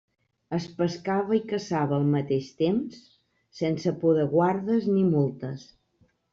Es pescava i caçava al mateix temps, sense por de guardes ni multes.